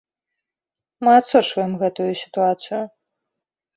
Мы адсочваем гэтую сітуацыю.